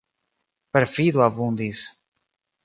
Perfido abundis.